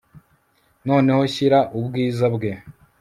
Noneho shyira ubwiza bwe